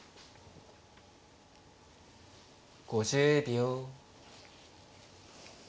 ５０秒。